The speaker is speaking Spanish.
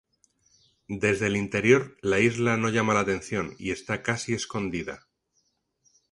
Desde el interior la isla no llama la atención y está casi escondida.